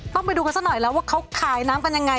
ไปดูกันซะหน่อยแล้วว่าเขาขายน้ำกันยังไง